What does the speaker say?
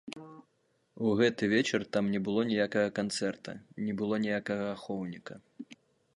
У гэты вечар там не было ніякага канцэрта, не было ніякага ахоўніка.